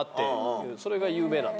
それが有名なんで。